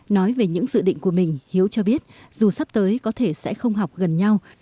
nói về những dự định của mình hiếu cho biết dù sắp tới có thể sẽ không học gần nhau